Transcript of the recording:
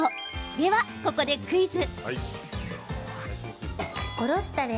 では、ここでクイズ。